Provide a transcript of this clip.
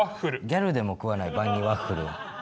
ギャルでも食わない晩にワッフルは。